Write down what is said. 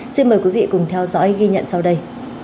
xin mời quý vị cùng theo dõi ghi nhận sau đây